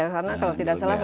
karena kalau tidak salah